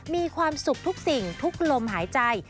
มีความสุขทุกสิ่งทุกลมหายใจ